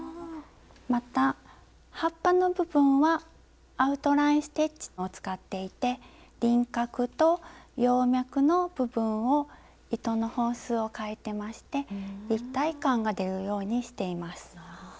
また葉っぱの部分はアウトライン・ステッチを使っていて輪郭と葉脈の部分を糸の本数をかえてまして立体感が出るようにしています。